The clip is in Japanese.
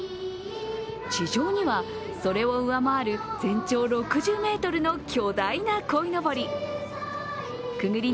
地上にはそれを上回る全長６０ｍの巨大なこいのぼり。